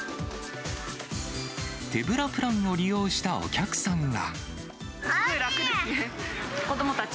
手ぶらプランを利用したお客さんは。